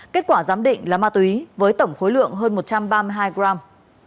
kết quả giám định là ma túy với tổng khối lượng hơn một trăm ba mươi hai gram